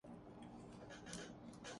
جذبات اور مکالموں